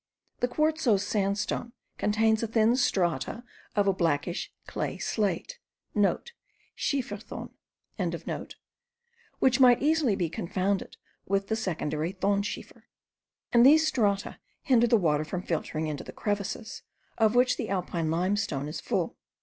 The quartzose sandstone contains thin strata of a blackish clay slate,* (* Schieferthon.) which might easily be confounded with the secondary thonschiefer; and these strata hinder the water from filtering into the crevices, of which the Alpine limestone is full.